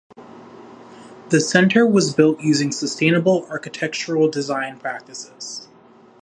The centre was built using sustainable architectural design practices.